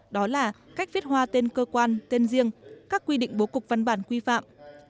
đó là cách viết hoa tên cơ quan tên riêng các quy định bố cục văn bản quy phạm